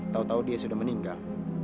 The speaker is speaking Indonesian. tau tau dia sudah meninggal